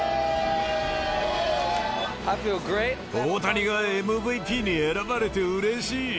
大谷がＭＶＰに選ばれてうれしい。